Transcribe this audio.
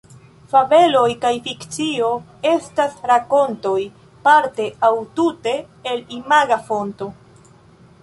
Fabeloj kaj fikcio estas rakontoj parte aŭ tute el imaga fonto.